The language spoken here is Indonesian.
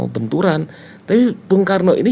benturan tapi bung karno ini